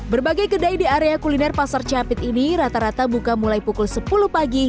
berbagai kedai di area kuliner pasar capit ini rata rata buka mulai pukul sepuluh pagi